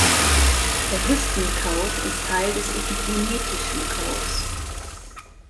Der Histon-Code ist Teil des epigenetischen Codes.